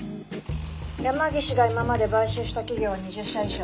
山岸が今まで買収した企業は２０社以上。